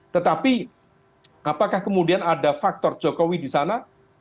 tetapi apakah kemudian ada faktor jokowi di sana